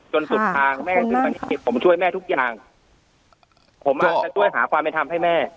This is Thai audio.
จนสุดทางผมช่วยแม่ทุกอย่างผมอาจจะช่วยหาความไม่ทำให้แม่